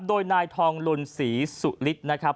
โดยนายทองลุนศรีสุฤทธิ์นะครับ